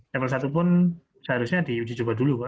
level satu pun seharusnya di uji coba dulu